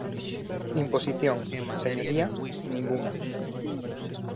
Imposición, señoría, ningunha.